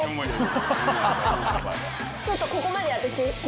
ちょっとここまで私。